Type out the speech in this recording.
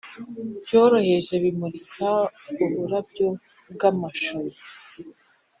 byoroheje bimurika uburabyo bw'amashaza;